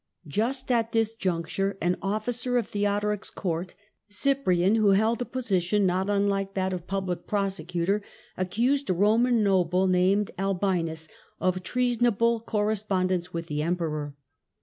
Just at this juncture an 32 THE DAWN OF MEDIEVAL EUROPE officer of Theodoric's Court, Cyprian, who held a position not unlike that of public prosecutor, accused a Roman noble named Albinus of treasonable correspondence with the Emperor.